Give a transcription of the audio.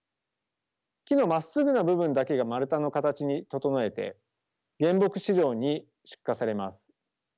木のまっすぐな部分だけが丸太の形に整えて原木市場に出荷されます。